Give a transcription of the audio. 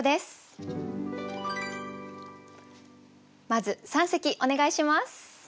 まず三席お願いします。